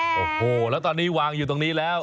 โอ้โหแล้วตอนนี้วางอยู่ตรงนี้แล้ว